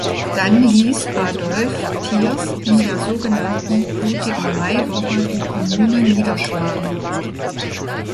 Dann ließ Adolphe Thiers in der so genannten „Blutigen Maiwoche“ die Kommune niederschlagen.